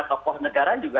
tokoh negara juga